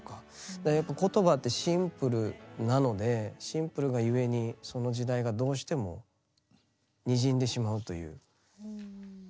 でやっぱ言葉ってシンプルなのでシンプルがゆえにその時代がどうしてもにじんでしまうという。